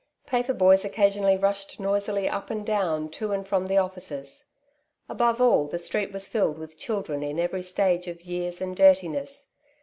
Paper boys occa sionally rushed noisily up and down to and from the offices. Above all, the street was filled with children in every stage of years and dirtiness.